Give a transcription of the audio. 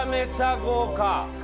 豪華。